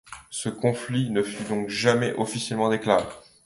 Ce conflit ne fut donc jamais officiellement déclaré.